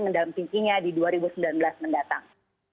mendampinginya di dua ribu sembilan belas mendatang